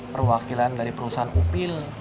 perwakilan dari perusahaan upil